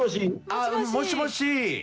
「ああもしもし？」